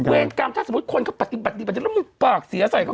เวรกรรมถ้าสมมุติคนเขาปฏิบัติดีปฏิบัติแล้วมึงปากเสียใส่เขา